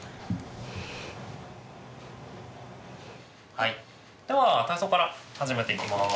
はいでは体操から始めていきます。